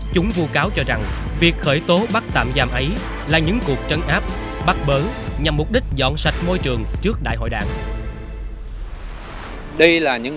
chúng vu cáo cho rằng việc khởi tố bắt tạm giam ấy là những cuộc trấn áp bắt bớ nhằm mục đích dọn sạch môi trường trước đại hội đảng